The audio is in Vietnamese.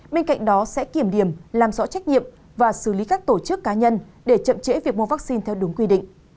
bên cạnh đó sẽ kiểm điểm làm rõ trách nhiệm và xử lý các tổ chức cá nhân để chậm trễ việc mua vaccine theo đúng quy định